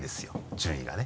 順位がね。